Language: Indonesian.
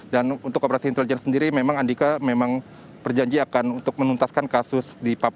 dan untuk operasi intelijen sendiri memang andika memang berjanji akan untuk menuntaskan kasus